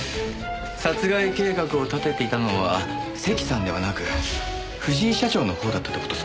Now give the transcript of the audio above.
殺害計画を立てていたのは関さんではなく藤井社長の方だったって事ですか？